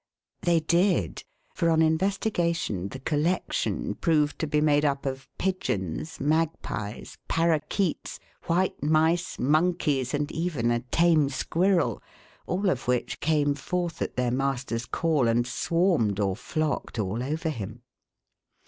They did; for on investigation the "collection" proved to be made up of pigeons, magpies, parrakeets, white mice, monkeys, and even a tame squirrel, all of which came forth at their master's call and swarmed or flocked all over him.